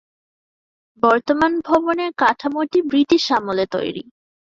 বর্তমান ভবনের কাঠামোটি ব্রিটিশ আমলে তৈরি।